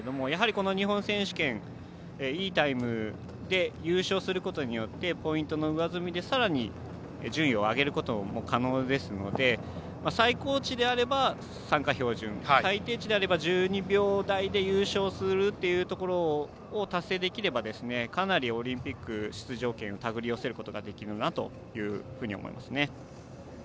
この日本選手権、いいタイムで優勝することによってポイントの上積みでさらに、順位を上げることも可能ですので、最高値であれば参加標準、最低値であれば１２秒台で優勝するということを達成できればかなりオリンピック出場権を手繰り寄せることができるなと思います。